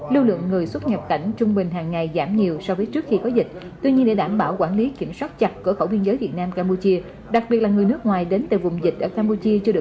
dịch sars cov hai xuất hiện tại campuchia là một nguy cơ rất cao